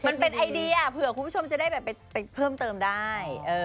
เขื่อคุณผู้ชมจะได้เห็นไปเพิ่มเติมได้